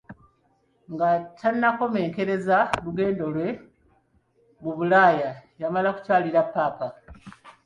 Nga tannakomekkereza lugendo lwe mu Bulaaya yamala kukyalira Papa.